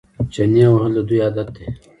چنې وهل د دوی عادت دی.